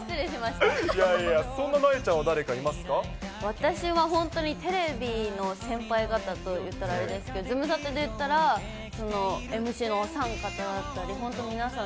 いやいや、私は、本当にテレビの先輩方といったらあれですけど、ズムサタで言ったら、ＭＣのお三方だったり、本当に皆さん